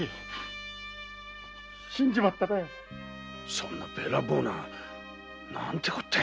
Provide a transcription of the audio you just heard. そんなべらぼうな何てこったい。